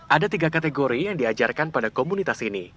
ada tiga kategori yang diajarkan pada komunitas ini